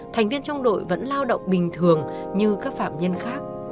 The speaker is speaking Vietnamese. thành viên trong đội vẫn lao động bình thường như các phạm nhân khác